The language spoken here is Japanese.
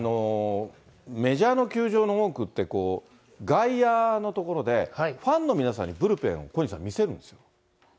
メジャーの球場の多くって、外野の所でファンの皆さんに、ブルペンを、小西さん、見せるんですよ。